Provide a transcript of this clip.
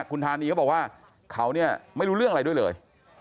คุณธานีเขาบอกว่าเขาเนี่ยไม่รู้เรื่องอะไรด้วยเลย